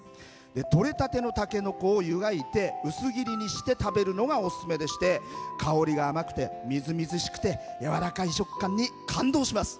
とれたてのたけのこを湯がいて薄切りにして食べるのがオススメでして香りが甘くてみずみずしくてやわらかい食感に感動します。